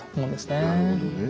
なるほどね。